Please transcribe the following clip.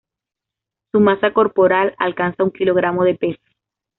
Su masa corporal alcanza un kilogramo de peso.